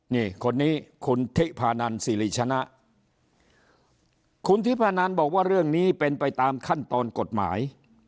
นี่คนนี้คุณทิพานันสิริชนะคุณทิพนันบอกว่าเรื่องนี้เป็นไปตามขั้นตอนกฎหมาย